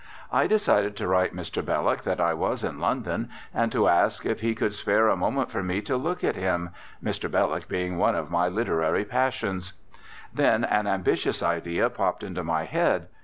I decided to write Mr. Belloc that I was in London and to ask if he could spare a moment for me to look at him, Mr. Belloc being one of my literary passions. Then an ambitious idea popped into my head.